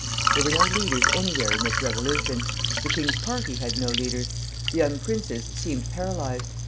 There were no leaders anywhere in this revolution. The king's party had no leaders; the young princes seemed paralyzed.